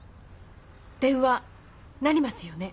電話鳴りますよね？